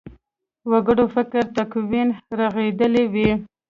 وګړو فکري تکوین رغېدلی وي.